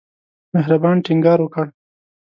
مهربان ټینګار وکړ.